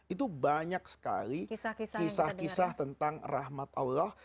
itu banyak sekali kisah kisah tentang rahmat allah